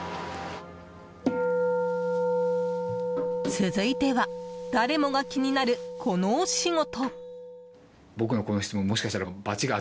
続いては誰もが気になるこのお仕事。